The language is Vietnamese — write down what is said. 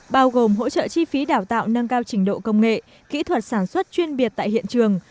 bao gồm hỗ trợ chi phí đào tạo nâng cao trình độ công nghệ kỹ thuật sản xuất chuyên biệt tại hiện trường